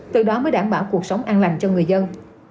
từ đó mới đảm bảo cuộc sống an lành cho người dân